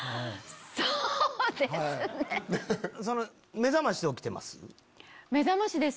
目覚ましで起きてます？